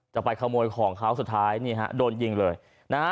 จะไปขโมยของเขาสุดท้ายนี่ฮะโดนยิงเลยนะฮะ